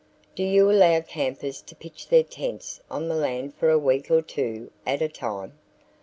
"Do you allow campers to pitch their tents on the land for a week or two at a time?"